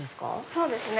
そうですね。